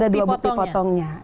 ada dua bukti potongnya